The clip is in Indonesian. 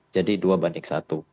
jadi dua banding satu